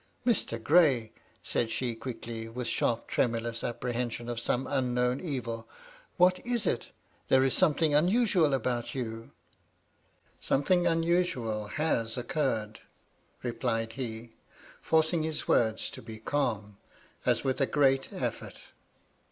" Mr. Gray !" said she, quickly, with sharp, tremu lous apprehension of some unknown evil. " What is it? There is something unusual about yoa'* "Something unusual has occurred," replied he, forcing his words to be calm, as with a great effort.